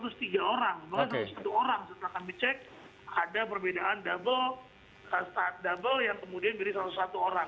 maka satu ratus satu orang setelah kami cek ada perbedaan double yang kemudian jadi satu ratus satu orang